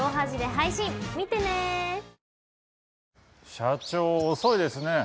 社長遅いですね。